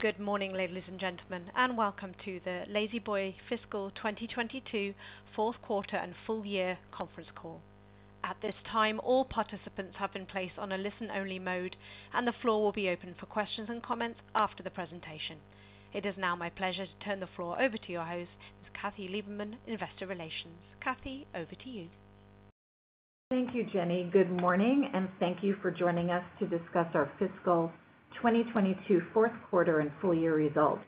Good morning, ladies and gentlemen, and welcome to the La-Z-Boy fiscal 2022 fourth quarter and full year conference call. At this time, all participants have been placed on a listen-only mode, and the floor will be open for questions and comments after the presentation. It is now my pleasure to turn the floor over to your host, Ms. Kathy Liebmann, Investor Relations. Kathy, over to you. Thank you, Jenny. Good morning, and thank you for joining us to discuss our fiscal 2022 fourth quarter and full year results.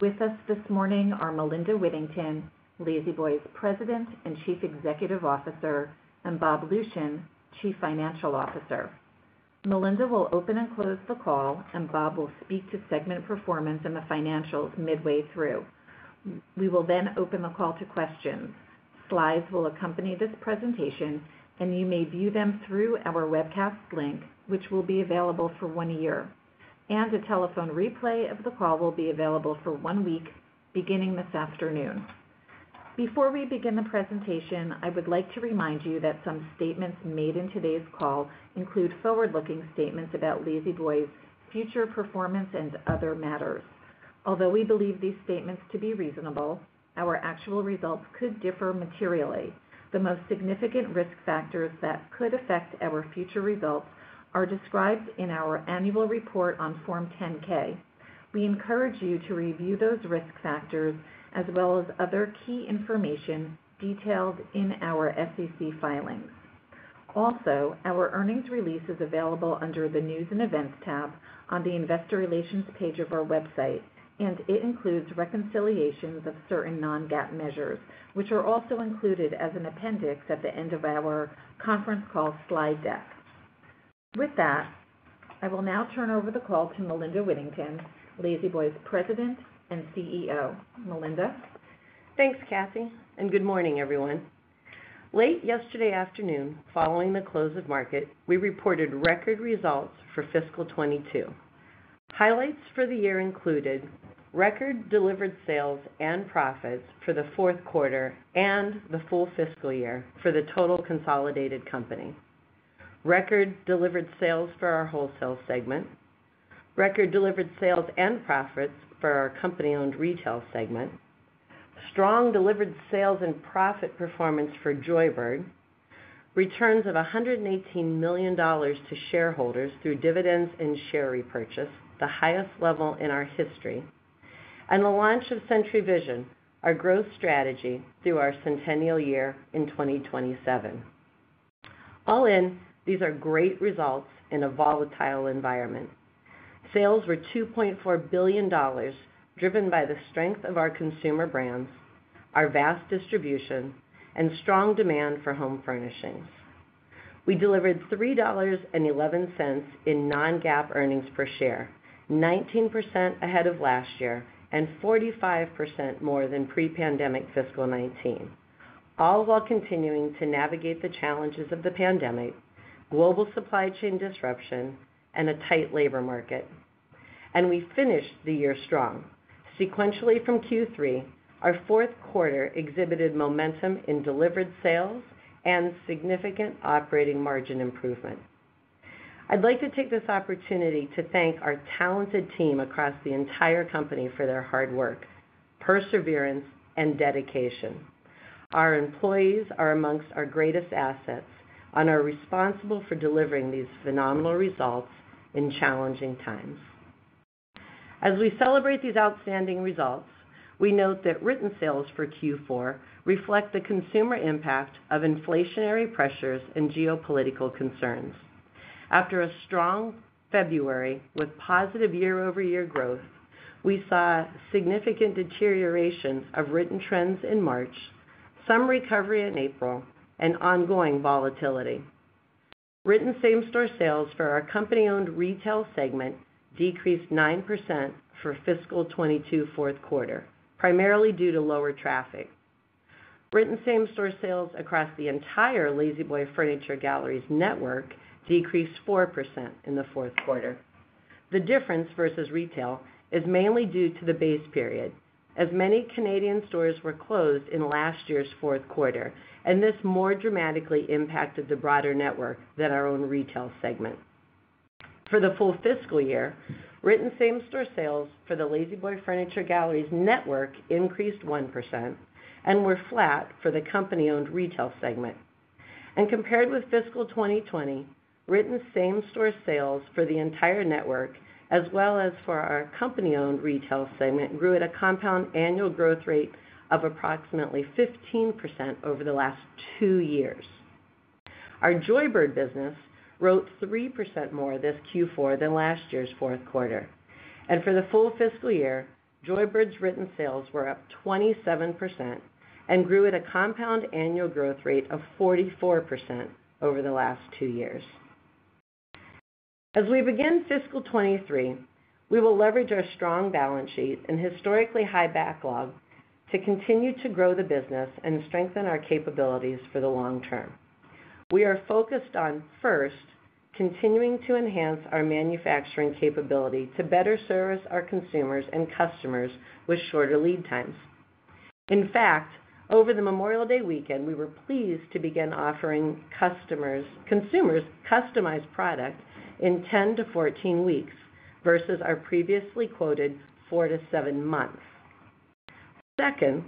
With us this morning are Melinda Whittington, La-Z-Boy's President and Chief Executive Officer, and Bob Lucian, Chief Financial Officer. Melinda will open and close the call, and Bob will speak to segment performance and the financials midway through. We will then open the call to questions. Slides will accompany this presentation, and you may view them through our webcast link, which will be available for one year. A telephone replay of the call will be available for one week, beginning this afternoon. Before we begin the presentation, I would like to remind you that some statements made in today's call include forward-looking statements about La-Z-Boy's future performance and other matters. Although we believe these statements to be reasonable, our actual results could differ materially. The most significant risk factors that could affect our future results are described in our annual report on Form 10-K. We encourage you to review those risk factors as well as other key information detailed in our SEC filings. Also, our earnings release is available under the News & Events tab on the Investor Relations page of our website, and it includes reconciliations of certain non-GAAP measures, which are also included as an appendix at the end of our conference call slide deck. With that, I will now turn over the call to Melinda Whittington, La-Z-Boy's President and CEO. Melinda. Thanks, Kathy, and good morning, everyone. Late yesterday afternoon, following the close of market, we reported record results for fiscal 2022. Highlights for the year included record delivered sales and profits for the fourth quarter and the full fiscal year for the total consolidated company. Record delivered sales for our wholesale segment. Record delivered sales and profits for our company-owned retail segment. Strong delivered sales and profit performance for Joybird. Returns of $118 million to shareholders through dividends and share repurchase, the highest level in our history. The launch of Century Vision, our growth strategy through our centennial year in 2027. All in, these are great results in a volatile environment. Sales were $2.4 billion, driven by the strength of our consumer brands, our vast distribution, and strong demand for home furnishings. We delivered $3.11 in non-GAAP earnings per share, 19% ahead of last year and 45% more than pre-pandemic fiscal 2019, all while continuing to navigate the challenges of the pandemic, global supply chain disruption, and a tight labor market. We finished the year strong. Sequentially from Q3, our fourth quarter exhibited momentum in delivered sales and significant operating margin improvement. I'd like to take this opportunity to thank our talented team across the entire company for their hard work, perseverance, and dedication. Our employees are among our greatest assets and are responsible for delivering these phenomenal results in challenging times. As we celebrate these outstanding results, we note that written sales for Q4 reflect the consumer impact of inflationary pressures and geopolitical concerns. After a strong February with positive year-over-year growth, we saw significant deterioration of written trends in March, some recovery in April, and ongoing volatility. Written same-store sales for our company-owned retail segment decreased 9% for fiscal 2022 fourth quarter, primarily due to lower traffic. Written same-store sales across the entire La-Z-Boy Furniture Galleries network decreased 4% in the fourth quarter. The difference versus retail is mainly due to the base period, as many Canadian stores were closed in last year's fourth quarter, and this more dramatically impacted the broader network than our own retail segment. For the full fiscal year, written same-store sales for the La-Z-Boy Furniture Galleries network increased 1% and were flat for the company-owned retail segment. Compared with fiscal 2020, written same-store sales for the entire network as well as for our company-owned retail segment grew at a compound annual growth rate of approximately 15% over the last two years. Our Joybird business wrote 3% more this Q4 than last year's fourth quarter. For the full fiscal year, Joybird's written sales were up 27% and grew at a compound annual growth rate of 44% over the last two years. As we begin fiscal 2023, we will leverage our strong balance sheet and historically high backlog to continue to grow the business and strengthen our capabilities for the long term. We are focused on, first, continuing to enhance our manufacturing capability to better service our consumers and customers with shorter lead times. In fact, over the Memorial Day weekend, we were pleased to begin offering consumers customized product in 10-14 weeks versus our previously quoted 4-7 months. Second,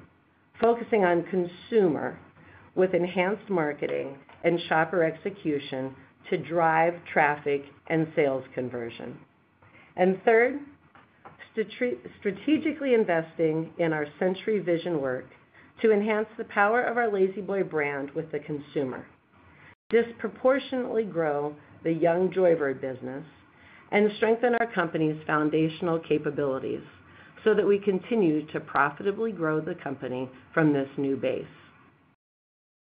focusing on consumers with enhanced marketing and shopper execution to drive traffic and sales conversion. Third, strategically investing in our Century Vision work to enhance the power of our La-Z-Boy brand with the consumer, disproportionately grow the young Joybird business, and strengthen our company's foundational capabilities so that we continue to profitably grow the company from this new base.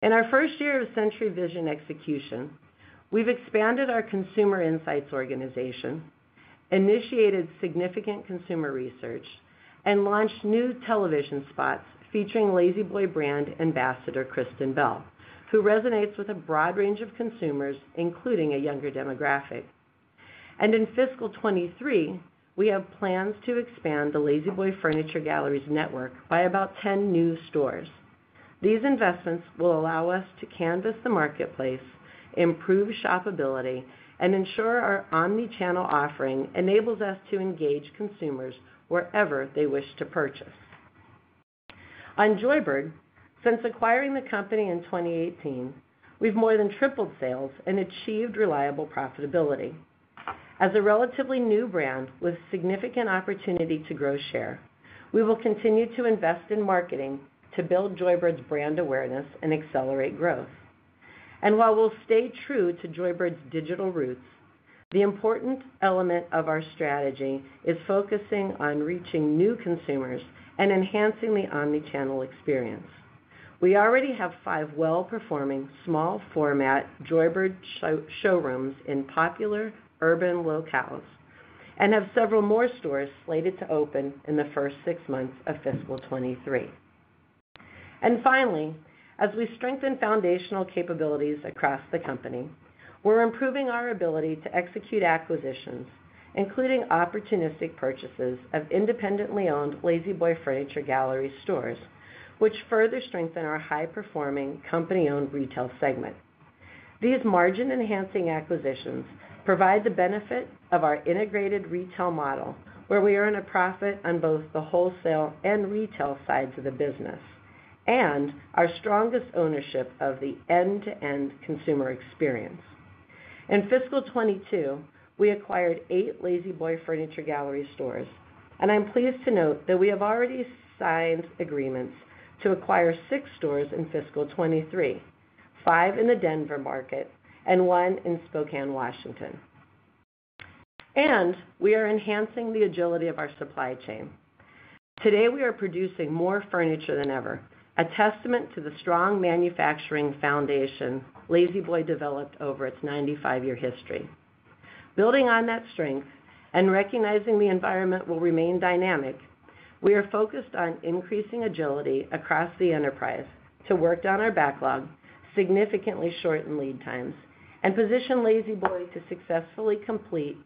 In our first year of Century Vision execution, we've expanded our consumer insights organization, initiated significant consumer research, and launched new television spots featuring La-Z-Boy brand ambassador Kristen Bell, who resonates with a broad range of consumers, including a younger demographic. In fiscal 2023, we have plans to expand the La-Z-Boy Furniture Galleries network by about 10 new stores. These investments will allow us to canvas the marketplace, improve shopability, and ensure our omni-channel offering enables us to engage consumers wherever they wish to purchase. On Joybird, since acquiring the company in 2018, we've more than tripled sales and achieved reliable profitability. As a relatively new brand with significant opportunity to grow share, we will continue to invest in marketing to build Joybird's brand awareness and accelerate growth. While we'll stay true to Joybird's digital roots, the important element of our strategy is focusing on reaching new consumers and enhancing the omni-channel experience. We already have five well-performing small format Joybird showrooms in popular urban locales and have several more stores slated to open in the first six months of fiscal 2023. Finally, as we strengthen foundational capabilities across the company, we're improving our ability to execute acquisitions, including opportunistic purchases of independently owned La-Z-Boy Furniture Gallery stores, which further strengthen our high-performing company-owned retail segment. These margin-enhancing acquisitions provide the benefit of our integrated retail model, where we earn a profit on both the wholesale and retail sides of the business, and our strongest ownership of the end-to-end consumer experience. In fiscal 2022, we acquired 8 La-Z-Boy Furniture Gallery stores, and I'm pleased to note that we have already signed agreements to acquire 6 stores in fiscal 2023, 5 in the Denver market and 1 in Spokane, Washington. We are enhancing the agility of our supply chain. Today, we are producing more furniture than ever, a testament to the strong manufacturing foundation La-Z-Boy developed over its 95-year history. Building on that strength and recognizing the environment will remain dynamic, we are focused on increasing agility across the enterprise to work down our backlog, significantly shorten lead times, and position La-Z-Boy to successfully complete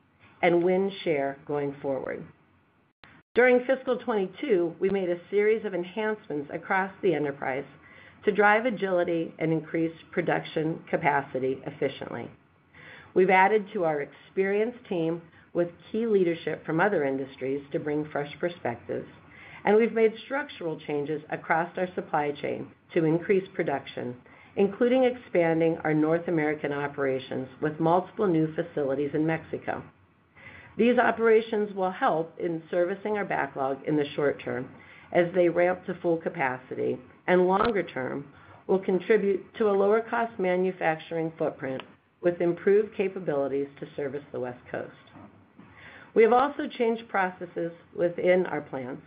and win share going forward. During fiscal 2022, we made a series of enhancements across the enterprise to drive agility and increase production capacity efficiently. We've added to our experienced team with key leadership from other industries to bring fresh perspectives, and we've made structural changes across our supply chain to increase production, including expanding our North American operations with multiple new facilities in Mexico. These operations will help in servicing our backlog in the short term as they ramp to full capacity, and longer term, will contribute to a lower-cost manufacturing footprint with improved capabilities to service the West Coast. We have also changed processes within our plants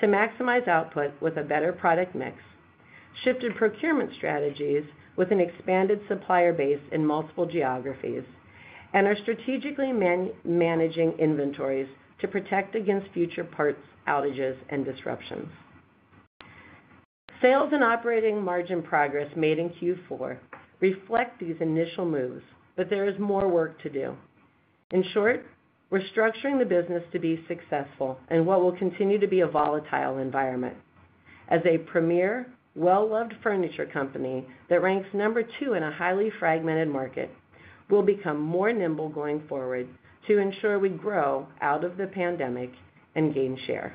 to maximize output with a better product mix, shifted procurement strategies with an expanded supplier base in multiple geographies, and are strategically managing inventories to protect against future parts outages and disruptions. Sales and operating margin progress made in Q4 reflect these initial moves, but there is more work to do. In short, we're structuring the business to be successful in what will continue to be a volatile environment. As a premier, well-loved furniture company that ranks number 2 in a highly fragmented market, we'll become more nimble going forward to ensure we grow out of the pandemic and gain share.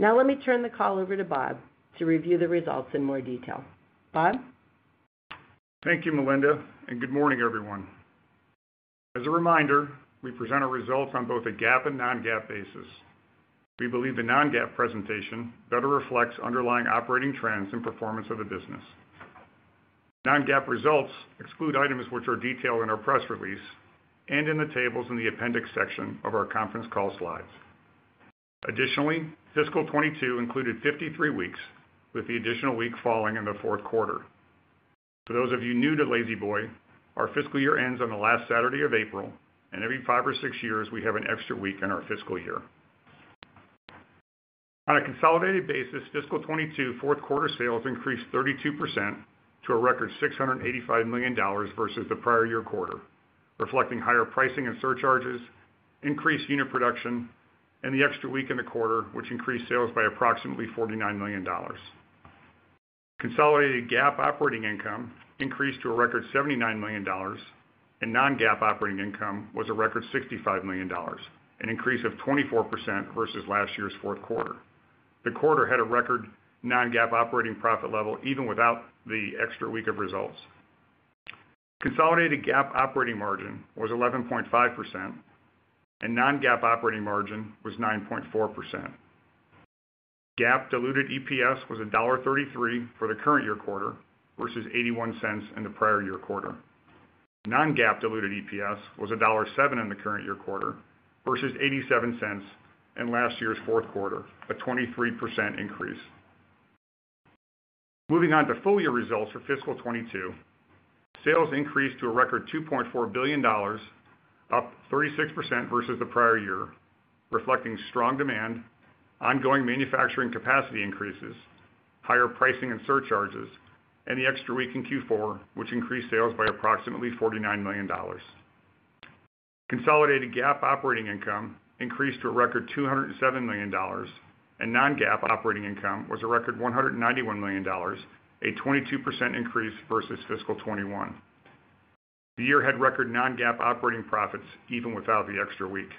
Now let me turn the call over to Bob to review the results in more detail. Bob? Thank you, Melinda, and good morning, everyone. As a reminder, we present our results on both a GAAP and non-GAAP basis. We believe the non-GAAP presentation better reflects underlying operating trends and performance of the business. Non-GAAP results exclude items which are detailed in our press release and in the tables in the appendix section of our conference call slides. Additionally, fiscal 2022 included 53 weeks, with the additional week falling in the fourth quarter. For those of you new to La-Z-Boy, our fiscal year ends on the last Saturday of April, and every five or six years, we have an extra week in our fiscal year. On a consolidated basis, fiscal 2022 fourth quarter sales increased 32% to a record $685 million versus the prior year quarter. Reflecting higher pricing and surcharges, increased unit production, and the extra week in the quarter, which increased sales by approximately $49 million. Consolidated GAAP operating income increased to a record $79 million, and non-GAAP operating income was a record $65 million, an increase of 24% versus last year's fourth quarter. The quarter had a record non-GAAP operating profit level even without the extra week of results. Consolidated GAAP operating margin was 11.5% and non-GAAP operating margin was 9.4%. GAAP diluted EPS was $1.33 for the current year quarter versus $0.81 in the prior year quarter. non-GAAP diluted EPS was $1.07 in the current year quarter versus $0.87 in last year's fourth quarter, a 23% increase. Moving on to full-year results for fiscal 2022. Sales increased to a record $2.4 billion, up 36% versus the prior year, reflecting strong demand, ongoing manufacturing capacity increases, higher pricing and surcharges, and the extra week in Q4, which increased sales by approximately $49 million. Consolidated GAAP operating income increased to a record $207 million, and non-GAAP operating income was a record $191 million, a 22% increase versus fiscal 2021. The year had record non-GAAP operating profits even without the extra week.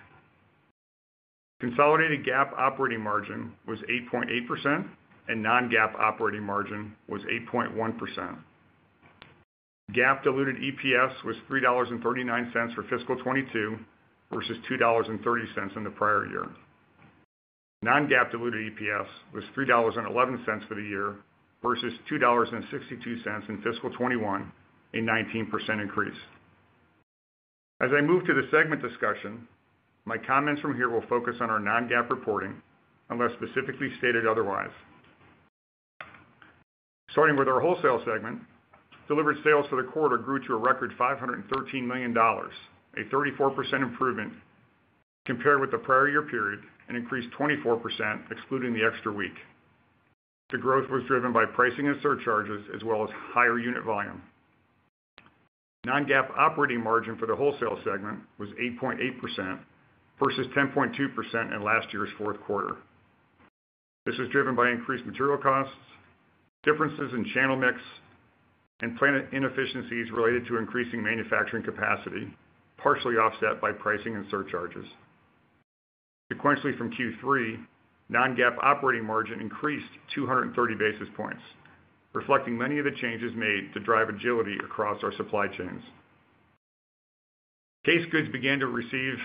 Consolidated GAAP operating margin was 8.8% and non-GAAP operating margin was 8.1%. GAAP diluted EPS was $3.39 for fiscal 2022 versus $2.30 in the prior year. Non-GAAP diluted EPS was $3.11 for the year versus $2.62 in fiscal 2021, a 19% increase. As I move to the segment discussion, my comments from here will focus on our non-GAAP reporting unless specifically stated otherwise. Starting with our wholesale segment, delivered sales for the quarter grew to a record $513 million, a 34% improvement compared with the prior year period and increased 24% excluding the extra week. The growth was driven by pricing and surcharges as well as higher unit volume. Non-GAAP operating margin for the wholesale segment was 8.8% versus 10.2% in last year's fourth quarter. This was driven by increased material costs, differences in channel mix, and plant inefficiencies related to increasing manufacturing capacity, partially offset by pricing and surcharges. Sequentially from Q3, non-GAAP operating margin increased 230 basis points, reflecting many of the changes made to drive agility across our supply chains. Case goods began to receive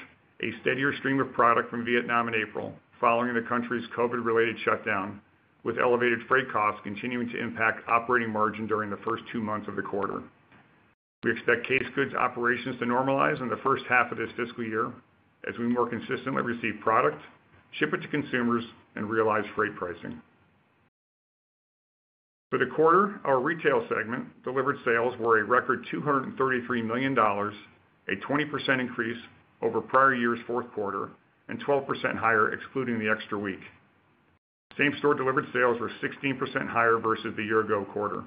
a steadier stream of product from Vietnam in April, following the country's COVID-related shutdown, with elevated freight costs continuing to impact operating margin during the first two months of the quarter. We expect case goods operations to normalize in the first half of this fiscal year as we more consistently receive product, ship it to consumers, and realize freight pricing. For the quarter, our retail segment delivered sales were a record $233 million, a 20% increase over prior year's fourth quarter and 12% higher excluding the extra week. Same store delivered sales were 16% higher versus the year ago quarter.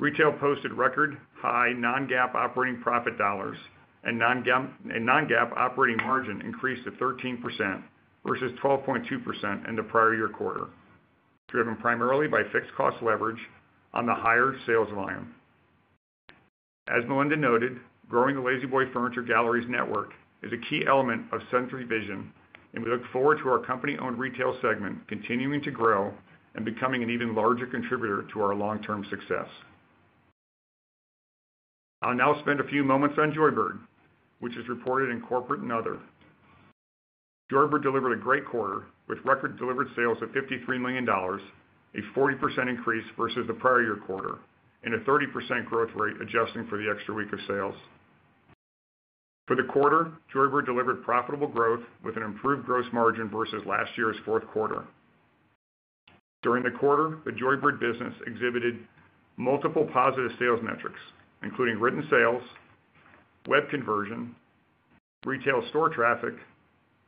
Retail posted record high non-GAAP operating profit dollars and non-GAAP operating margin increased to 13% versus 12.2% in the prior year quarter, driven primarily by fixed cost leverage on the higher sales volume. As Melinda noted, growing the La-Z-Boy Furniture Galleries network is a key element of Century Vision, and we look forward to our company-owned retail segment continuing to grow and becoming an even larger contributor to our long-term success. I'll now spend a few moments on Joybird, which is reported in corporate and other. Joybird delivered a great quarter with record delivered sales of $53 million, a 40% increase versus the prior year quarter, and a 30% growth rate adjusting for the extra week of sales. For the quarter, Joybird delivered profitable growth with an improved gross margin versus last year's fourth quarter. During the quarter, the Joybird business exhibited multiple positive sales metrics, including written sales, web conversion, retail store traffic,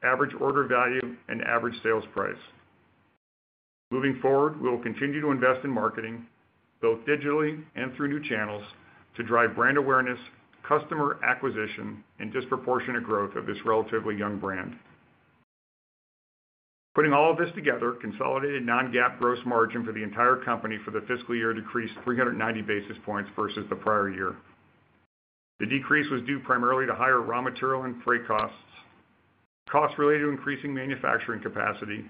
average order value, and average sales price. Moving forward, we will continue to invest in marketing, both digitally and through new channels, to drive brand awareness, customer acquisition, and disproportionate growth of this relatively young brand. Putting all of this together, consolidated non-GAAP gross margin for the entire company for the fiscal year decreased 390 basis points versus the prior year. The decrease was due primarily to higher raw material and freight costs related to increasing manufacturing capacity,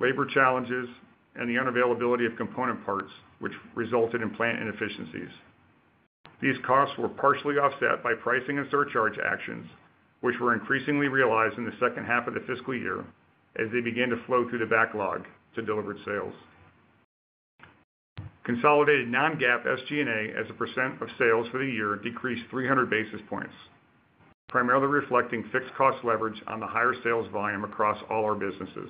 labor challenges, and the unavailability of component parts, which resulted in plant inefficiencies. These costs were partially offset by pricing and surcharge actions, which were increasingly realized in the second half of the fiscal year as they began to flow through the backlog to delivered sales. Consolidated non-GAAP SG&A as a percent of sales for the year decreased 300 basis points, primarily reflecting fixed cost leverage on the higher sales volume across all our businesses.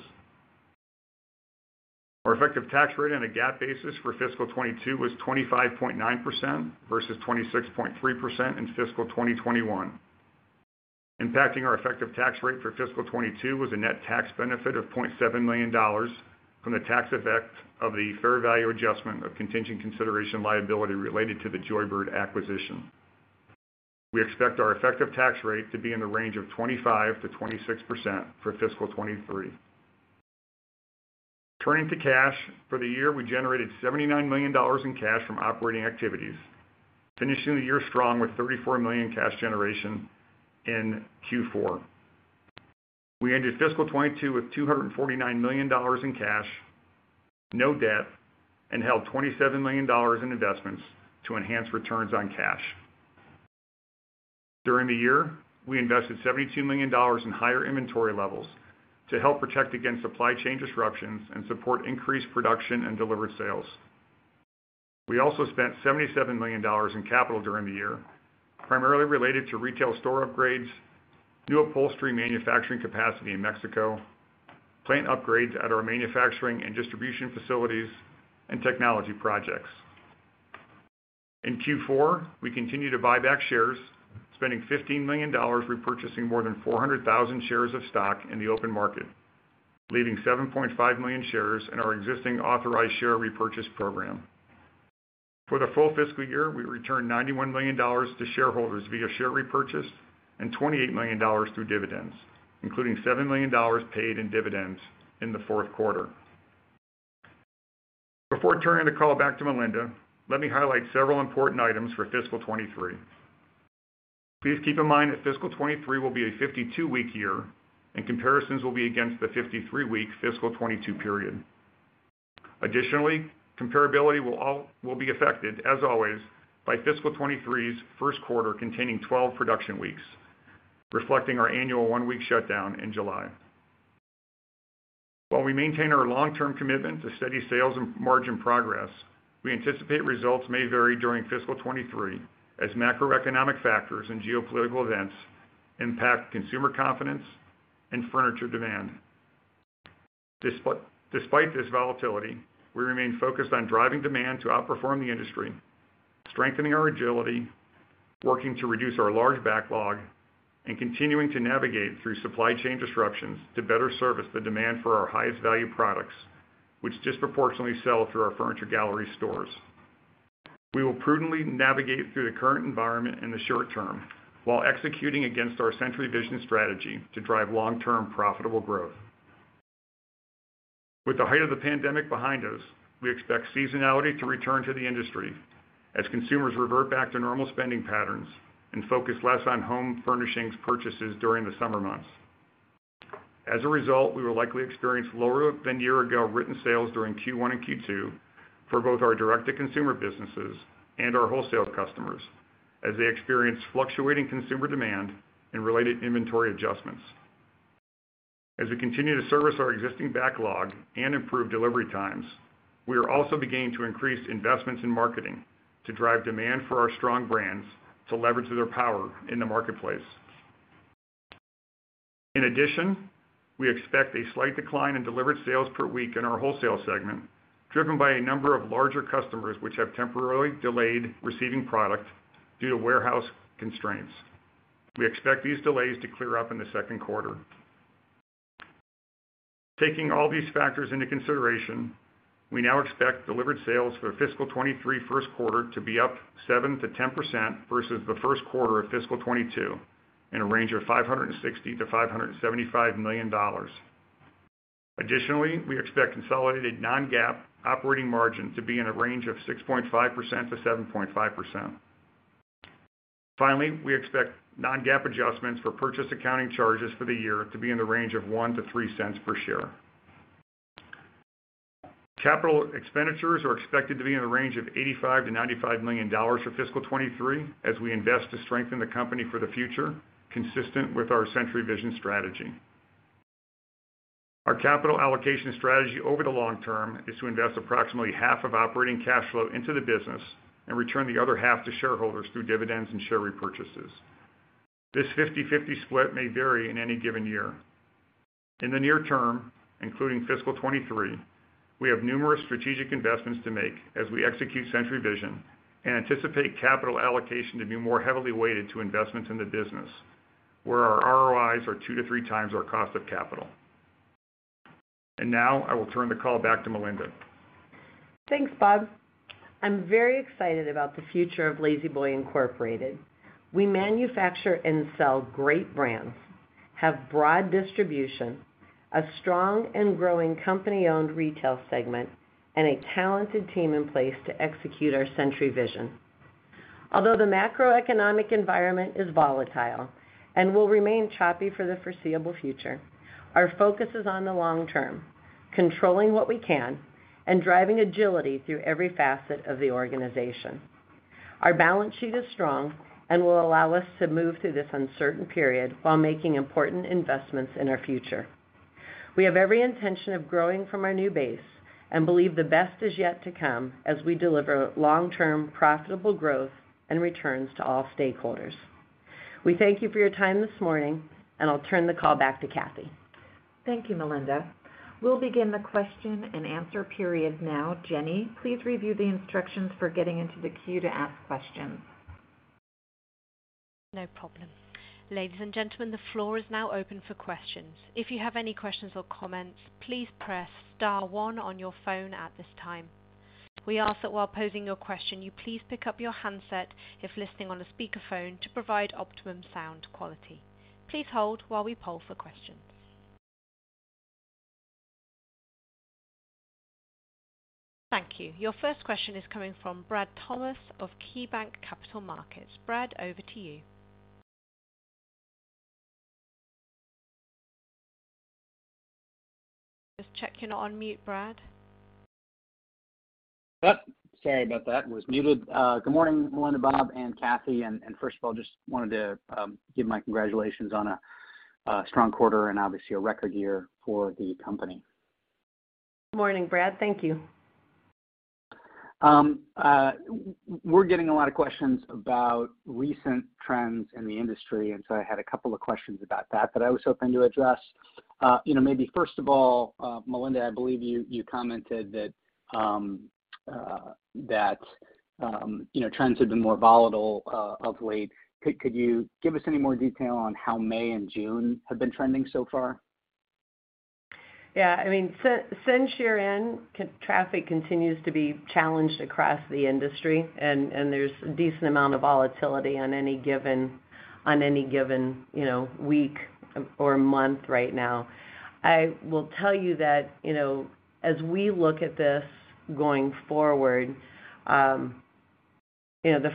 Our effective tax rate on a GAAP basis for fiscal 2022 was 25.9% versus 26.3% in fiscal 2021. Impacting our effective tax rate for fiscal 2022 was a net tax benefit of $0.7 million from the tax effect of the fair value adjustment of contingent consideration liability related to the Joybird acquisition. We expect our effective tax rate to be in the range of 25%-26% for fiscal 2023. Turning to cash. For the year, we generated $79 million in cash from operating activities, finishing the year strong with $34 million cash generation in Q4. We ended fiscal 2022 with $249 million in cash, no debt, and held $27 million in investments to enhance returns on cash. During the year, we invested $72 million in higher inventory levels to help protect against supply chain disruptions and support increased production and delivered sales. We also spent $77 million in capital during the year, primarily related to retail store upgrades, new upholstery manufacturing capacity in Mexico, plant upgrades at our manufacturing and distribution facilities, and technology projects. In Q4, we continued to buy back shares, spending $15 million repurchasing more than 400,000 shares of stock in the open market, leaving 7.5 million shares in our existing authorized share repurchase program. For the full fiscal year, we returned $91 million to shareholders via share repurchase and $28 million through dividends, including $7 million paid in dividends in the fourth quarter. Before turning the call back to Melinda, let me highlight several important items for fiscal 2023. Please keep in mind that fiscal 2023 will be a 52-week year and comparisons will be against the 53-week fiscal 2022 period. Additionally, comparability will be affected, as always, by fiscal 2023's first quarter containing 12 production weeks, reflecting our annual one-week shutdown in July. While we maintain our long-term commitment to steady sales and margin progress, we anticipate results may vary during fiscal 2023 as macroeconomic factors and geopolitical events impact consumer confidence and furniture demand. Despite this volatility, we remain focused on driving demand to outperform the industry, strengthening our agility, working to reduce our large backlog, and continuing to navigate through supply chain disruptions to better service the demand for our highest value products, which disproportionately sell through our Furniture Gallery stores. We will prudently navigate through the current environment in the short term while executing against our Century Vision strategy to drive long-term profitable growth. With the height of the pandemic behind us, we expect seasonality to return to the industry as consumers revert back to normal spending patterns and focus less on home furnishings purchases during the summer months. As a result, we will likely experience lower than year ago written sales during Q1 and Q2 for both our direct-to-consumer businesses and our wholesale customers as they experience fluctuating consumer demand and related inventory adjustments. As we continue to service our existing backlog and improve delivery times, we are also beginning to increase investments in marketing to drive demand for our strong brands to leverage their power in the marketplace. In addition, we expect a slight decline in delivered sales per week in our wholesale segment, driven by a number of larger customers which have temporarily delayed receiving product due to warehouse constraints. We expect these delays to clear up in the second quarter. Taking all these factors into consideration, we now expect delivered sales for fiscal 2023 first quarter to be up 7%-10% versus the first quarter of fiscal 2022 in a range of $560 million-$575 million. Additionally, we expect consolidated non-GAAP operating margin to be in a range of 6.5%-7.5%. Finally, we expect non-GAAP adjustments for purchase accounting charges for the year to be in the range of $0.01-$0.03 per share. Capital expenditures are expected to be in the range of $85-$95 million for fiscal 2023 as we invest to strengthen the company for the future, consistent with our Century Vision strategy. Our capital allocation strategy over the long term is to invest approximately half of operating cash flow into the business and return the other half to shareholders through dividends and share repurchases. This fifty/fifty split may vary in any given year. In the near term, including fiscal 2023, we have numerous strategic investments to make as we execute Century Vision and anticipate capital allocation to be more heavily weighted to investments in the business where our ROIs are 2-3 times our cost of capital. Now I will turn the call back to Melinda. Thanks, Bob. I'm very excited about the future of La-Z-Boy Incorporated. We manufacture and sell great brands, have broad distribution, a strong and growing company-owned retail segment, and a talented team in place to execute our Century Vision. Although the macroeconomic environment is volatile and will remain choppy for the foreseeable future, our focus is on the long term, controlling what we can, and driving agility through every facet of the organization. Our balance sheet is strong and will allow us to move through this uncertain period while making important investments in our future. We have every intention of growing from our new base and believe the best is yet to come as we deliver long-term profitable growth and returns to all stakeholders. We thank you for your time this morning, and I'll turn the call back to Kathy. Thank you, Melinda. We'll begin the question and answer period now. Jenny, please review the instructions for getting into the queue to ask questions. No problem. Ladies and gentlemen, the floor is now open for questions. If you have any questions or comments, please press star one on your phone at this time. We ask that while posing your question, you please pick up your handset if listening on a speakerphone to provide optimum sound quality. Please hold while we poll for questions. Thank you. Your first question is coming from Brad Thomas of KeyBanc Capital Markets. Brad, over to you. Just checking you're on mute, Brad. Yep, sorry about that, was muted. Good morning, Melinda, Bob, and Kathy. First of all, just wanted to give my congratulations on a strong quarter and obviously a record year for the company. Morning, Brad. Thank you. We're getting a lot of questions about recent trends in the industry, and so I had a couple of questions about that, but I was hoping to address, you know, maybe first of all, Melinda, I believe you commented that you know, trends have been more volatile of late. Could you give us any more detail on how May and June have been trending so far? Yeah. I mean, since year-end, traffic continues to be challenged across the industry and there's a decent amount of volatility on any given week or month right now. I will tell you that, you know, as we look at this going forward, the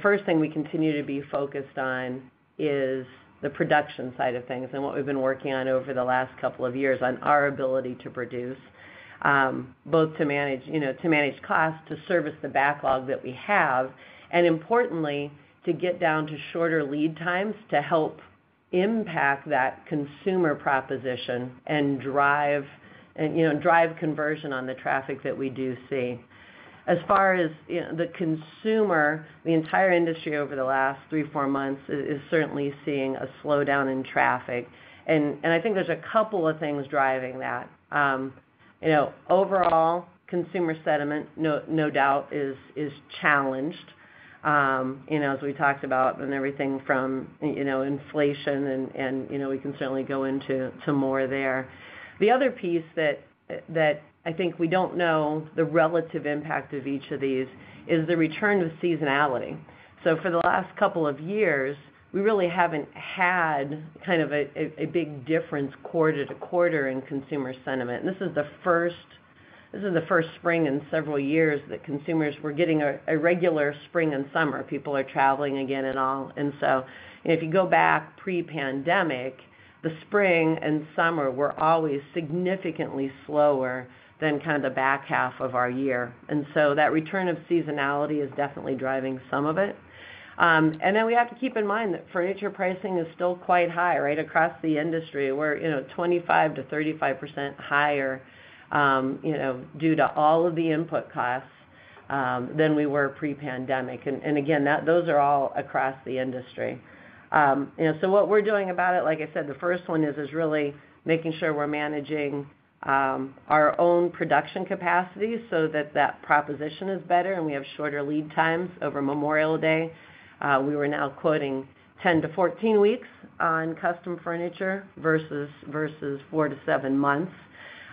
first thing we continue to be focused on is the production side of things and what we've been working on over the last couple of years on our ability to produce both to manage costs, to service the backlog that we have, and importantly, to get down to shorter lead times to help impact that consumer proposition and drive conversion on the traffic that we do see. As far as the consumer, the entire industry over the last 3, 4 months is certainly seeing a slowdown in traffic. I think there's a couple of things driving that. You know, overall, consumer sentiment, no doubt is challenged, you know, as we talked about, everything from, you know, inflation and, you know, we can certainly go into more there. The other piece that I think we don't know the relative impact of each of these is the return to seasonality. For the last couple of years, we really haven't had kind of a big difference quarter to quarter in consumer sentiment. This is the first spring in several years that consumers were getting a regular spring and summer. People are traveling again and all. If you go back pre-pandemic, the spring and summer were always significantly slower than kind of the back half of our year. That return of seasonality is definitely driving some of it. We have to keep in mind that furniture pricing is still quite high right across the industry. We're, you know, 25%-35% higher, you know, due to all of the input costs, than we were pre-pandemic. Again, those are all across the industry. What we're doing about it, like I said, the first one is really making sure we're managing our own production capacity so that that proposition is better and we have shorter lead times over Memorial Day. We were now quoting 10-14 weeks on custom furniture versus four to seven months.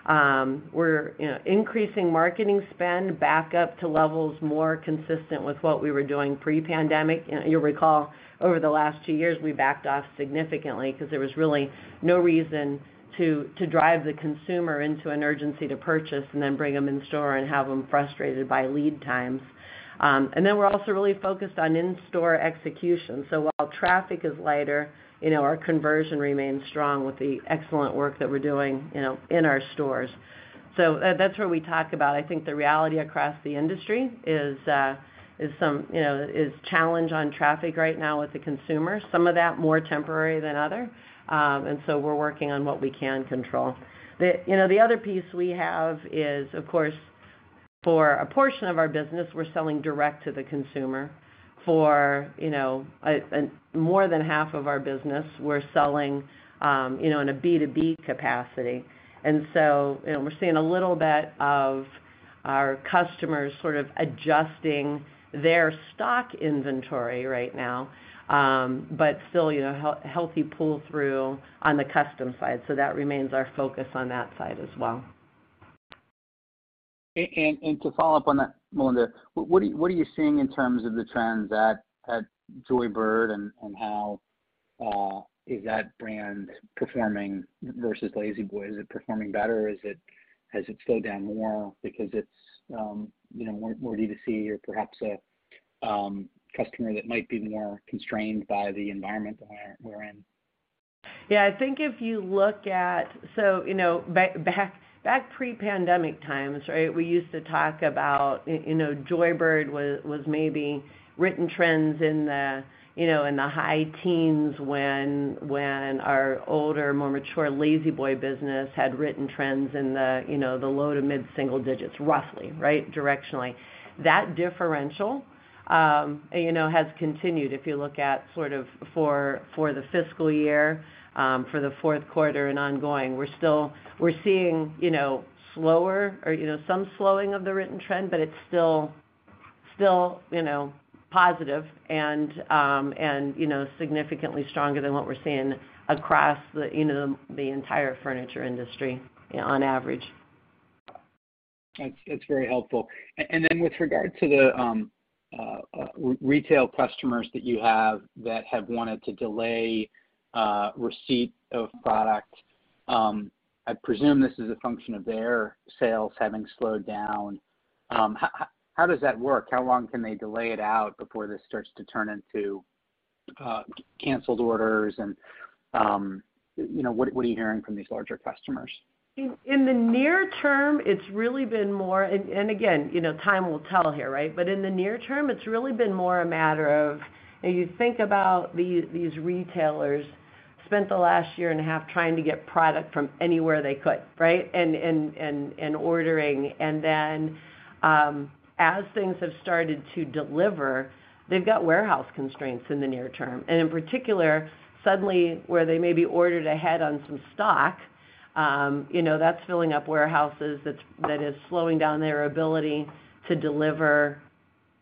We're, you know, increasing marketing spend back up to levels more consistent with what we were doing pre-pandemic. You'll recall over the last two years, we backed off significantly 'cause there was really no reason to drive the consumer into an urgency to purchase and then bring them in store and have them frustrated by lead times. Then we're also really focused on in-store execution. While traffic is lighter, you know, our conversion remains strong with the excellent work that we're doing, you know, in our stores. That's where we talk about. I think the reality across the industry is some challenge on traffic right now with the consumer, some of that more temporary than others. We're working on what we can control. You know, the other piece we have is, of course, for a portion of our business, we're selling direct to the consumer. For you know, more than half of our business, we're selling you know, in a B2B capacity. You know, we're seeing a little bit of our customers sort of adjusting their stock inventory right now. Still, you know, healthy pull-through on the custom side. That remains our focus on that side as well. To follow up on that, Melinda, what are you seeing in terms of the trends at Joybird and how is that brand performing versus La-Z-Boy? Is it performing better or has it slowed down more because it's, you know, more D2C or perhaps a customer that might be more constrained by the environment we're in? Yeah. I think if you look at back pre-pandemic times, right, we used to talk about, you know, Joybird was maybe written trends in the, you know, in the high teens when our older, more mature La-Z-Boy business had written trends in the, you know, the low to mid-single digits, roughly, right? Directionally. That differential, you know, has continued. If you look at sort of for the fiscal year, for the fourth quarter and ongoing, we're still seeing, you know, slower or, you know, some slowing of the written trend, but it's still, you know, positive and, you know, significantly stronger than what we're seeing across the, you know, the entire furniture industry, you know, on average. That's very helpful. Then with regard to the retail customers that you have that have wanted to delay receipt of product, I presume this is a function of their sales having slowed down. How does that work? How long can they delay it out before this starts to turn into canceled orders and, you know, what are you hearing from these larger customers? In the near term, it's really been more. Again, you know, time will tell here, right? In the near term, it's really been more a matter of, and you think about these retailers spent the last year and a half trying to get product from anywhere they could, right? Ordering. Then, as things have started to deliver, they've got warehouse constraints in the near term. In particular, suddenly, where they may be ordered ahead on some stock, you know, that's filling up warehouses that is slowing down their ability to deliver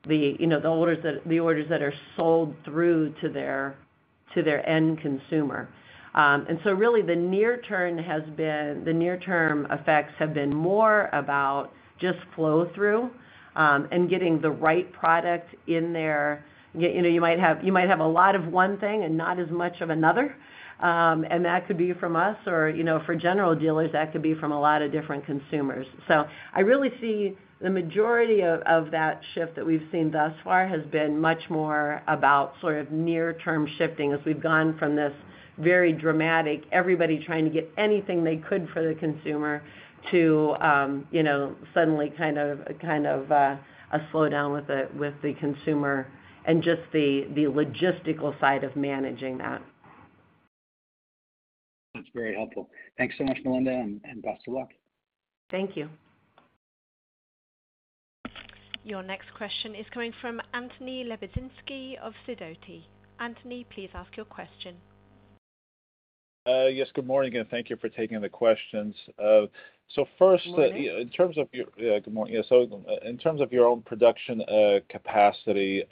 the, you know, orders that are sold through to their end consumer. Really the near term effects have been more about just flow through, and getting the right product in their. You know, you might have a lot of one thing and not as much of another. That could be from us or, you know, for general dealers, that could be from a lot of different consumers. I really see the majority of that shift that we've seen thus far has been much more about sort of near term shifting as we've gone from this very dramatic, everybody trying to get anything they could for the consumer to, you know, suddenly kind of a slowdown with the consumer and just the logistical side of managing that. That's very helpful. Thanks so much, Melinda, and best of luck. Thank you. Your next question is coming from Anthony Lebiedzinski of Sidoti. Anthony, please ask your question. Yes, good morning, and thank you for taking the questions. First- Good morning. Yeah. Good morning. Yeah. In terms of your own production capacity,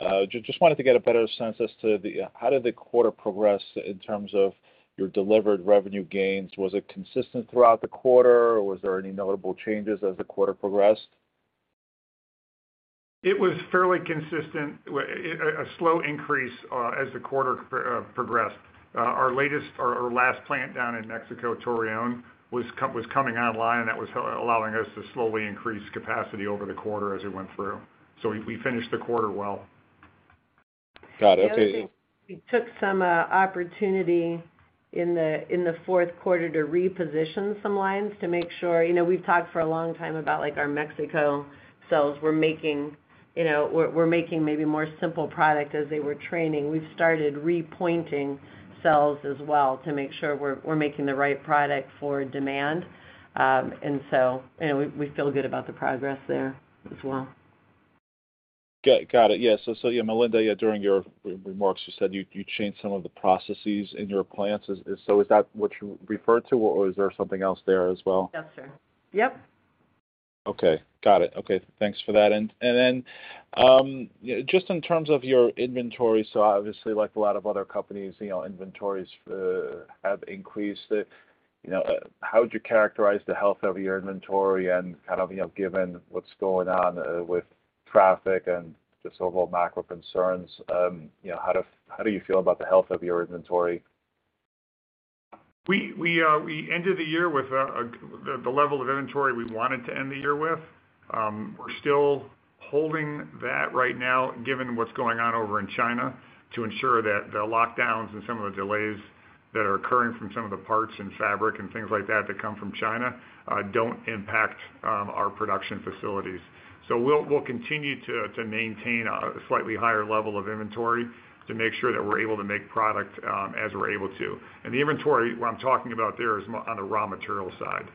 just wanted to get a better sense as to how did the quarter progress in terms of your delivered revenue gains? Was it consistent throughout the quarter or was there any notable changes as the quarter progressed? It was fairly consistent. A slow increase as the quarter progressed. Our latest or our last plant down in Mexico, Torreón, was coming online. That was allowing us to slowly increase capacity over the quarter as it went through. We finished the quarter well. Got it. Okay. The other thing, we took some opportunity in the fourth quarter to reposition some lines to make sure. You know, we've talked for a long time about, like, our Mexico cells were making, you know, maybe more simple product as they were training. We've started repositioning cells as well to make sure we're making the right product for demand. You know, we feel good about the progress there as well. Got it. Yeah. Yeah, Melinda, during your prepared remarks, you said you changed some of the processes in your plants. Is that what you referred to, or is there something else there as well? That's it. Yep. Okay. Got it. Okay, thanks for that. Just in terms of your inventory, obviously like a lot of other companies, you know, inventories have increased. You know, how would you characterize the health of your inventory and kind of, you know, given what's going on with traffic and just overall macro concerns, you know, how do you feel about the health of your inventory? We ended the year with the level of inventory we wanted to end the year with. We're still holding that right now given what's going on over in China to ensure that the lockdowns and some of the delays that are occurring from some of the parts and fabric and things like that that come from China don't impact our production facilities. We'll continue to maintain a slightly higher level of inventory to make sure that we're able to make product as we're able to. The inventory, what I'm talking about there is on the raw material side.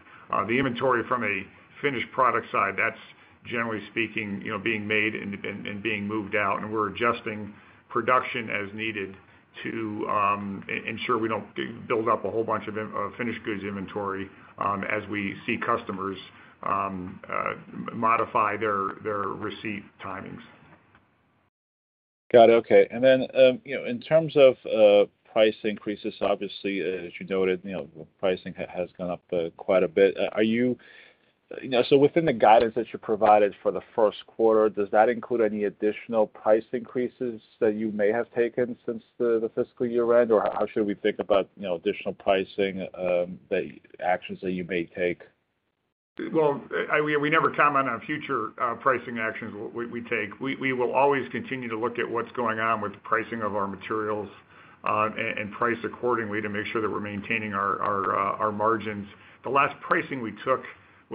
The inventory from a finished product side, that's generally speaking, you know, being made and being moved out, and we're adjusting production as needed to ensure we don't build up a whole bunch of finished goods inventory, as we see customers modify their receipt timings. Got it. Okay. You know, in terms of price increases, obviously, as you noted, you know, pricing has gone up quite a bit. You know, within the guidance that you provided for the first quarter, does that include any additional price increases that you may have taken since the fiscal year end, or how should we think about, you know, additional pricing actions that you may take? Well, we never comment on future pricing actions we take. We will always continue to look at what's going on with pricing of our materials, and price accordingly to make sure that we're maintaining our margins. The last pricing we took was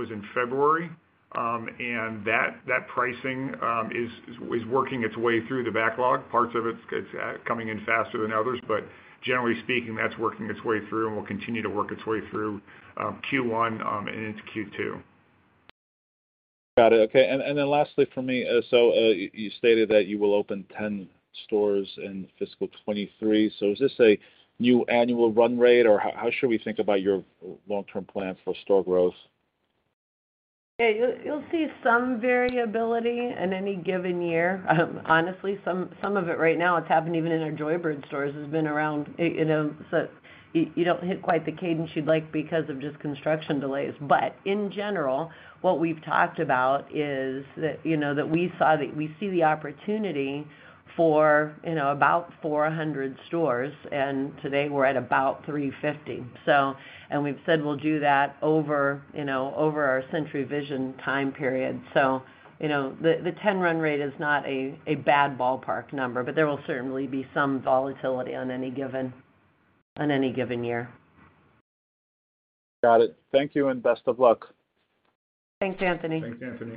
in February, and that pricing is working its way through the backlog. Parts of it's coming in faster than others. Generally speaking, that's working its way through and will continue to work its way through Q1 and into Q2. Got it. Okay. Then lastly for me, so, you stated that you will open 10 stores in fiscal 2023. So is this a new annual run rate, or how should we think about your long-term plan for store growth? Yeah, you'll see some variability in any given year. Honestly, some of it right now, it's happened even in our Joybird stores, has been around, you know, so you don't hit quite the cadence you'd like because of just construction delays. In general, what we've talked about is that, you know, we see the opportunity for, you know, about 400 stores, and today we're at about 350. We've said we'll do that over, you know, over our Century Vision time period. You know, the 10 run rate is not a bad ballpark number, but there will certainly be some volatility on any given year. Got it. Thank you, and best of luck. Thanks, Anthony. Thanks, Anthony.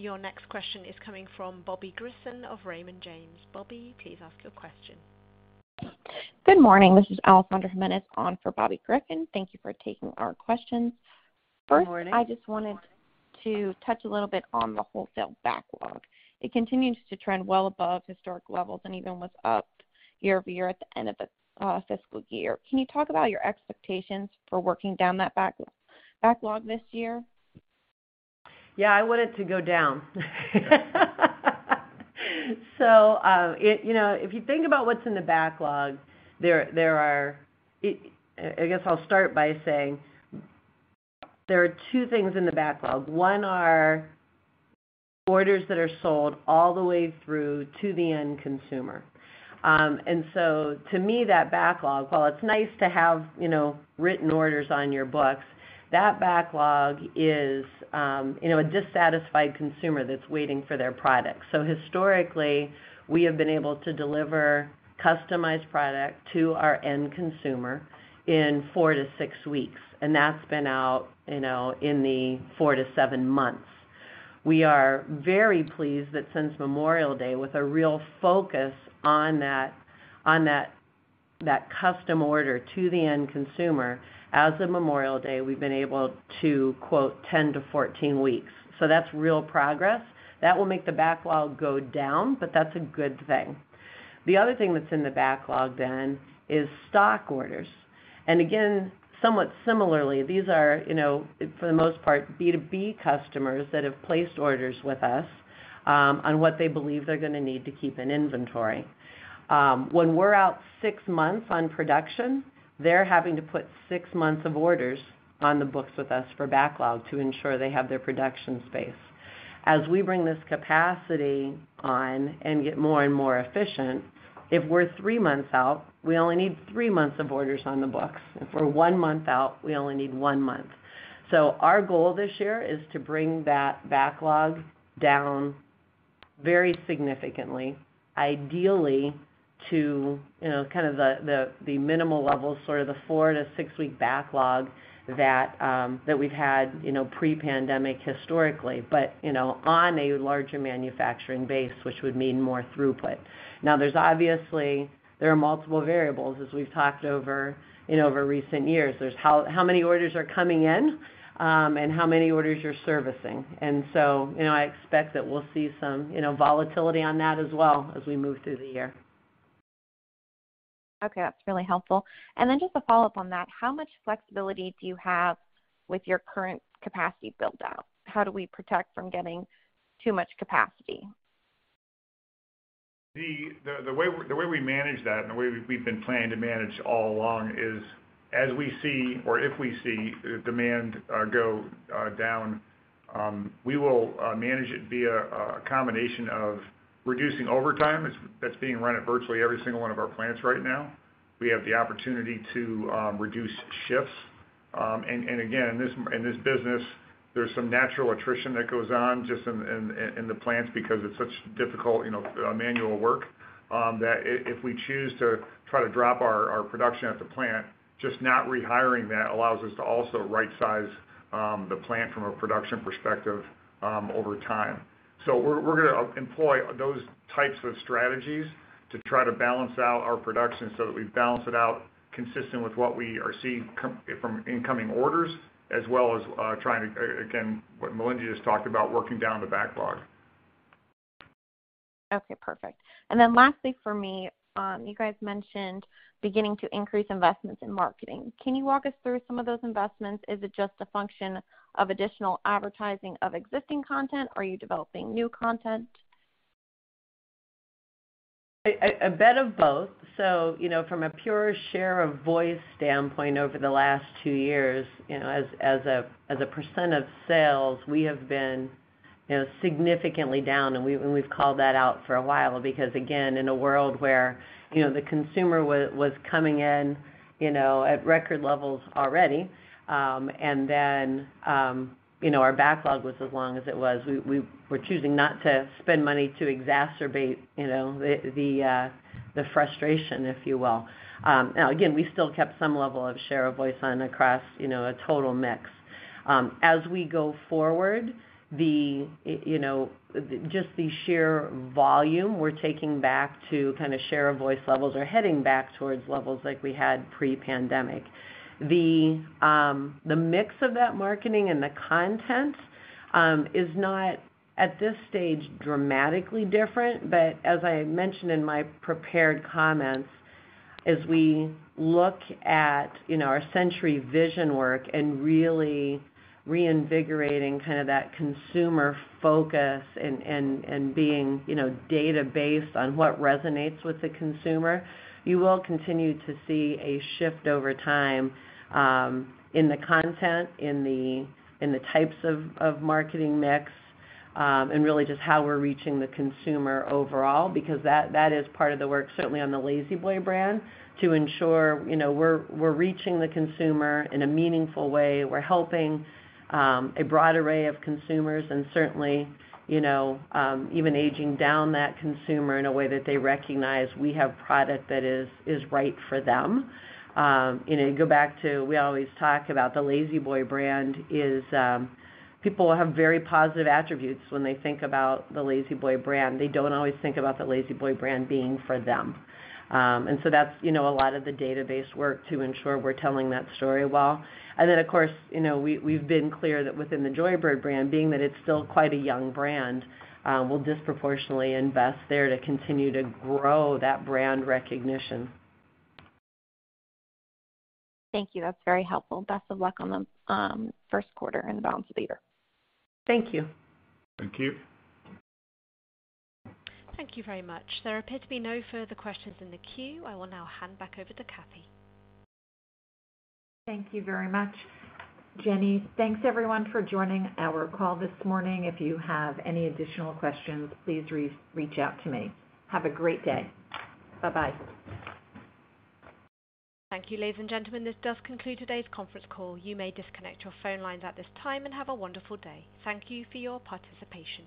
Your next question is coming from Bobby Griffin of Raymond James. Bobby, please ask your question. Good morning. This is Alessandra Jimenez on for Bobby Griffin. Thank you for taking our questions. Good morning. First, I just wanted to touch a little bit on the wholesale backlog. It continues to trend well above historic levels and even was up year over year at the end of the fiscal year. Can you talk about your expectations for working down that backlog this year? Yeah, I want it to go down. You know, if you think about what's in the backlog, I guess I'll start by saying there are two things in the backlog. One are orders that are sold all the way through to the end consumer. To me, that backlog, while it's nice to have, you know, written orders on your books, that backlog is, you know, a dissatisfied consumer that's waiting for their product. Historically, we have been able to deliver customized product to our end consumer in 4-6 weeks, and that's been out, you know, in the 4-7 months. We are very pleased that since Memorial Day, with a real focus on that, custom order to the end consumer, as of Memorial Day, we've been able to quote 10-14 weeks. That's real progress. That will make the backlog go down, but that's a good thing. The other thing that's in the backlog then is stock orders. Again, somewhat similarly, these are, you know, for the most part, B2B customers that have placed orders with us, on what they believe they're gonna need to keep an inventory. When we're out six months on production, they're having to put six months of orders on the books with us for backlog to ensure they have their production space. As we bring this capacity on and get more and more efficient, if we're 3 months out, we only need 3 months of orders on the books. If we're 1 month out, we only need 1 month. Our goal this year is to bring that backlog down very significantly, ideally to, you know, kind of the minimal level, sort of the 4- to 6-week backlog that we've had, you know, pre-pandemic historically, but, you know, on a larger manufacturing base, which would mean more throughput. Now, there are obviously multiple variables, as we've talked over, you know, over recent years. There's how many orders are coming in and how many orders you're servicing. You know, I expect that we'll see some, you know, volatility on that as well as we move through the year. Okay. That's really helpful. Just a follow-up on that, how much flexibility do you have with your current capacity build-out? How do we protect from getting too much capacity? The way we manage that and the way we've been planning to manage all along is as we see, or if we see demand go down, we will manage it via a combination of reducing overtime. That's being run at virtually every single one of our plants right now. We have the opportunity to reduce shifts. Again, in this business, there's some natural attrition that goes on just in the plants because it's such difficult, you know, manual work, that if we choose to try to drop our production at the plant, just not rehiring that allows us to also right-size the plant from a production perspective over time. We're gonna employ those types of strategies to try to balance out our production so that we balance it out consistent with what we are seeing from incoming orders, as well as trying to, again, what Melinda just talked about, working down the backlog. Okay, perfect. Lastly for me, you guys mentioned beginning to increase investments in marketing. Can you walk us through some of those investments? Is it just a function of additional advertising of existing content? Are you developing new content? A bit of both. From a pure share of voice standpoint over the last two years, you know, as a percent of sales, we have been, you know, significantly down, and we've called that out for a while because again, in a world where, you know, the consumer was coming in, you know, at record levels already, and then, you know, our backlog was as long as it was, we were choosing not to spend money to exacerbate, you know, the frustration, if you will. Now again, we still kept some level of share of voice on across, you know, a total mix. As we go forward, you know, just the sheer volume we're taking back to kinda share of voice levels or heading back towards levels like we had pre-pandemic. The mix of that marketing and the content is not at this stage dramatically different. As I mentioned in my prepared comments, as we look at, you know, our Century Vision work and really reinvigorating kind of that consumer focus and being, you know, data-based on what resonates with the consumer, you will continue to see a shift over time in the content, in the types of marketing mix, and really just how we're reaching the consumer overall, because that is part of the work, certainly on the La-Z-Boy brand, to ensure, you know, we're reaching the consumer in a meaningful way. We're helping a broad array of consumers and certainly, you know, even aging down that consumer in a way that they recognize we have product that is right for them. You know, go back to we always talk about the La-Z-Boy brand is, people have very positive attributes when they think about the La-Z-Boy brand. They don't always think about the La-Z-Boy brand being for them. That's, you know, a lot of the database work to ensure we're telling that story well. Of course, you know, we've been clear that within the Joybird brand, being that it's still quite a young brand, we'll disproportionately invest there to continue to grow that brand recognition. Thank you. That's very helpful. Best of luck on the first quarter and the balance of the year. Thank you. Thank you. Thank you very much. There appear to be no further questions in the queue. I will now hand back over to Kathy. Thank you very much, Jenny. Thanks everyone for joining our call this morning. If you have any additional questions, please reach out to me. Have a great day. Bye-bye. Thank you, ladies and gentlemen. This does conclude today's conference call. You may disconnect your phone lines at this time and have a wonderful day. Thank you for your participation.